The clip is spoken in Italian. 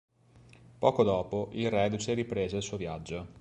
Poco dopo il reduce riprese il suo viaggio.